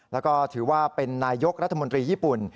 แล้วก็ถือว่าเป็นนายกรัฐมนตรีญี่ปุ่น